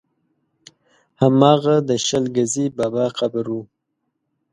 هماغه د شل ګزي بابا قبر و.